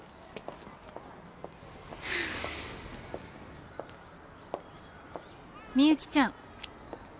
はあみゆきちゃん